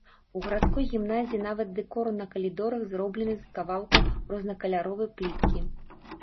У гарадской гімназіі нават дэкор на калідорах зроблены з кавалкаў рознакаляровай пліткі.